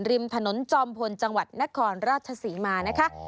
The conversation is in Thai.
ริมถนนจอมพลจังหวัดนครราชศรีมานะคะ